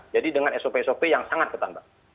jadi dengan sop sop yang sangat ketambah